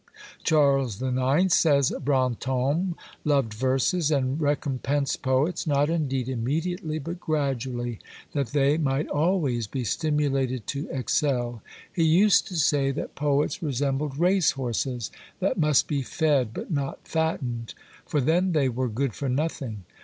Charles IX., says Brantome, loved verses, and recompensed poets, not indeed immediately, but gradually, that they might always be stimulated to excel. He used to say, that poets resembled race horses, that must be fed but not fattened, for then they were good for nothing.